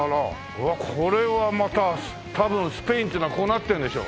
うわこれはまた多分スペインっていうのはこうなってるんでしょ？